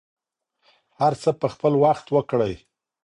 هر څه په خپل وخت وکړئ.